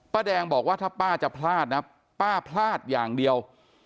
แดงบอกว่าถ้าป้าจะพลาดนะป้าพลาดอย่างเดียว